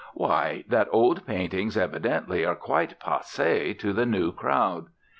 Why, that old paintings evidently are quite passe to the new crowd.